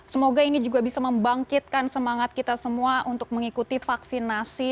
semoga ini juga bisa membangkitkan semangat kita semua untuk mengikuti vaksinasi